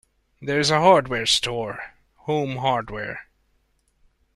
There is a hardware store: Home Hardware.